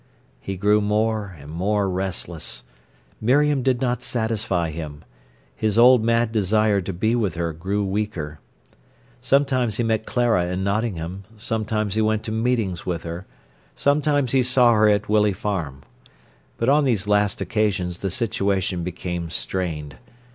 He grew more and more restless. Miriam did not satisfy him. His old mad desire to be with her grew weaker. Sometimes he met Clara in Nottingham, sometimes he went to meetings with her, sometimes he saw her at Willey Farm. But on these last occasions the situation became strained.